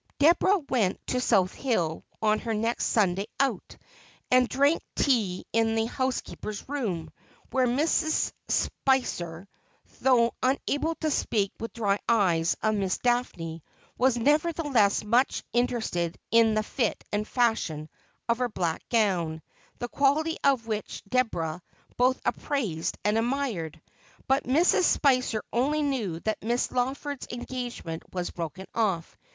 Deborah went to South Hill on her next Sunday out, and drank tea in the housekeeper's room, where Mrs. Spicer, though unable to speak with dry eyes of Miss Daphne, was nevertheless much interested in the fit and fashion of her black gown, the quality of which Deborah both appraised and admired. But Mrs. Spicer only knew that Miss Lawford's engagement was broken off.